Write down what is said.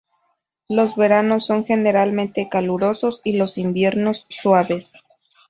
Los veranos son generalmente calurosos y los inviernos suaves.